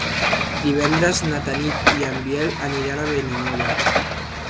Divendres na Tanit i en Biel aniran a Benimodo.